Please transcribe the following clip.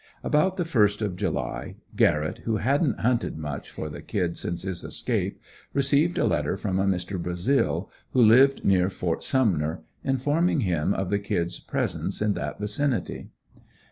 About the first of July, Garrett, who hadn't hunted much for the "Kid" since his escape, received a letter from a Mr. Brazil, who lived near Ft. Sumner, informing him of the "Kid's" presence in that vicinity.